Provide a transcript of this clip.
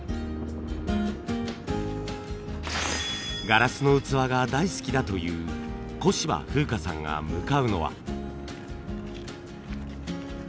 ガラスの器が大好きだという小芝風花さんが向かうのは。